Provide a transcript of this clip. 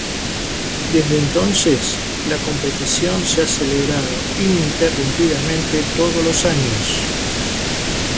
Desde entonces, la competición se ha celebrado ininterrumpidamente todos los años.